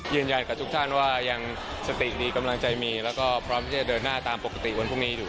ยืนยันกับทุกท่านว่ายังสติดีกำลังใจมีแล้วก็พร้อมที่จะเดินหน้าตามปกติวันพรุ่งนี้อยู่